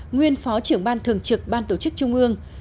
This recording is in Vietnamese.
nguyên phó trưởng ban thường trực ban tổ chức trung ương